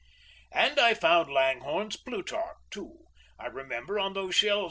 And I found Langhorne's "Plutarch" too, I remember, on those shelves.